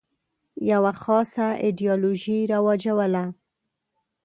یوه خاصه ایدیالوژي رواجوله.